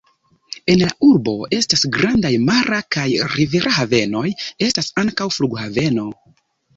En la urbo estas grandaj mara kaj rivera havenoj; estas ankaŭ flughaveno.